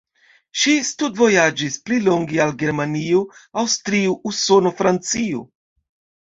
Ŝi studvojaĝis pli longe al Germanio, Aŭstrio, Usono, Francio.